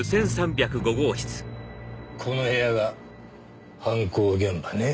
この部屋が犯行現場ねぇ。